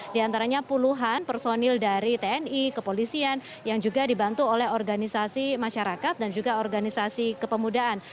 di antaranya puluhan personil dari tni kepolisian yang juga dibantu oleh organisasi masyarakat dan juga organisasi kepemudaan